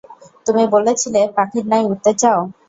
তুমি বলেছিলে, পাখির ন্যায় উড়তে চাও!